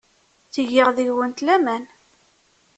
Ttgeɣ deg-went laman.